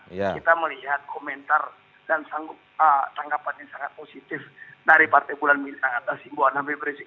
kita melihat komentar dan tanggapan yang sangat positif dari partai bulan bintang atas simbohan habib rizik